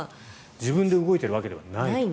自分で動いているわけではないと。